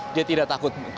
dia tidak takut